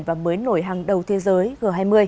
và mới nổi hàng đầu thế giới g hai mươi